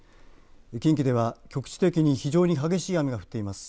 近畿では局地的に非常に激しい雨が降っています。